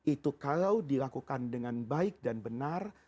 itu kalau dilakukan dengan baik dan benar